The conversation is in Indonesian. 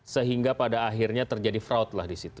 sehingga pada akhirnya terjadi fraud lah di situ